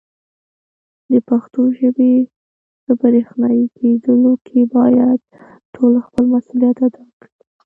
د پښتو ژبې په برښنایې کېدلو کې باید ټول خپل مسولیت ادا کړي.